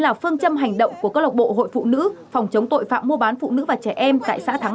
là phương châm hành động của clb hội phụ nữ phòng chống tội phạm mua bán phụ nữ và trẻ em tại xã thắng